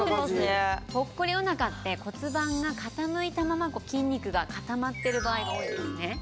ぽっこりおなかって骨盤が傾いたまま筋肉が固まってる場合が多いんですね。